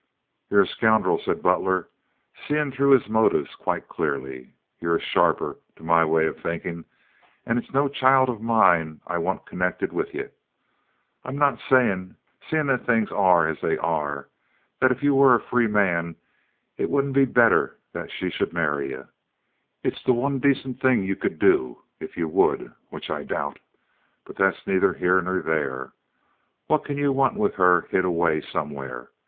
"Ye're a scoundrel," said Butler, seeing through his motives quite clearly. "Ye're a sharper, to my way of thinkin', and it's no child of mine I want connected with ye. I'm not sayin', seein' that things are as they are, that if ye were a free man it wouldn't be better that she should marry ye. It's the one dacent thing ye could do—if ye would, which I doubt. But that's nayther here nor there now. What can ye want with her hid away somewhere?